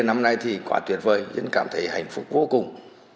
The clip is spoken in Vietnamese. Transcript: năm nay thì quá tuyệt vời dân cảm thấy hạnh phúc vô cùng